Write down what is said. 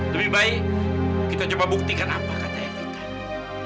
lebih baik kita coba buktikan apa kata evita